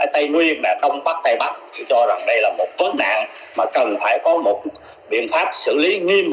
tây nguyên đông bắc tây bắc cho rằng đây là một vấn đạn mà cần phải có một biện pháp xử lý nghiêm